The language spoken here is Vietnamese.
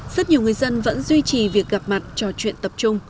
rất nhiều người dân vẫn duy trì việc gặp mặt trò chuyện tập trung